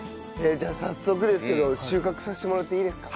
じゃあ早速ですけど収穫させてもらっていいですか？